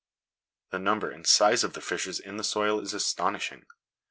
The number and size of the fissures in the soil is astonishing.